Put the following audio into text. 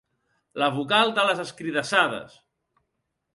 La vocal de les escridassades.